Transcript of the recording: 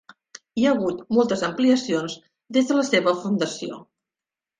Hi ha hagut moltes ampliacions des de la seva fundació.